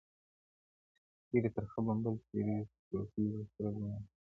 چيري ترخه بمبل چيري ټوکيږي سره ګلونه,